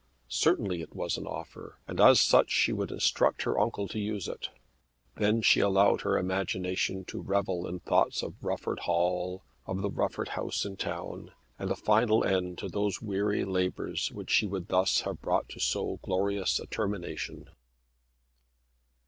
Certainly it was an offer, and as such she would instruct her uncle to use it. Then she allowed her imagination to revel in thoughts of Rufford Hall, of the Rufford house in town, and a final end to all those weary labours which she would thus have brought to so glorious a termination.